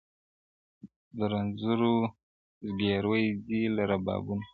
د رنځورو زګېروي ځي له ربابونو-